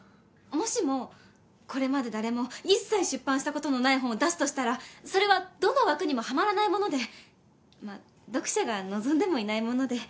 もしもこれまで誰も一切出版した事のない本を出すとしたらそれはどの枠にもはまらないものでまあ読者が望んでもいないもので。